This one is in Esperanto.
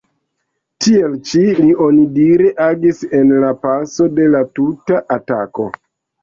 Tiel ĉi li onidire agis en la paso de la tuta atako.